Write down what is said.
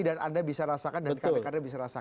dan anda bisa rasakan dan kbkd bisa rasakan